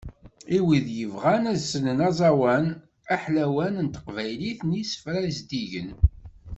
I wid yebɣan ad slen aẓawan aḥlawan n teqbaylit d yisefra zeddigen